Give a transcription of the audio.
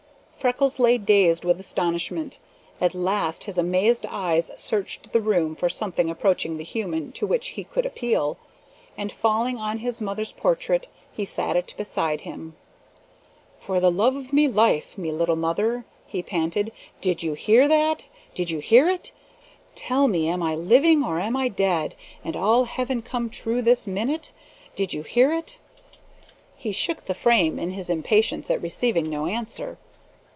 Freckles lay dazed with astonishment. At last his amazed eyes searched the room for something approaching the human to which he could appeal, and falling on his mother's portrait, he set it before him. "For the love of life! Me little mother," he panted, "did you hear that? Did you hear it! Tell me, am I living, or am I dead and all heaven come true this minute? Did you hear it?" He shook the frame in his impatience at receiving no answer.